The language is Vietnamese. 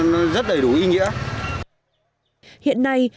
hiện nay đào phai đông sơn đang dần khẳng định